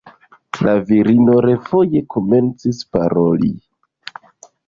La virino refoje komencis paroli.